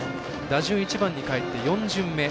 打順１番にかえって４巡目。